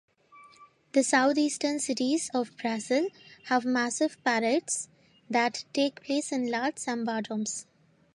The southeastern cities of Brazil have massive parades that take place in large "sambadromes".